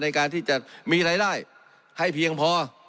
ในการที่จะมีรายได้ให้เพียงพอ